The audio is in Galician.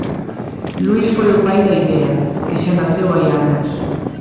Luís foi o pai da idea, que xa naceu hai anos.